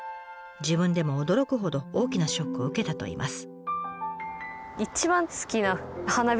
自分でも驚くほど大きなショックを受けたといいます。